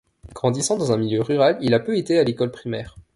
Grandissant dans un milieu rural, il a peu été à l'école primaire.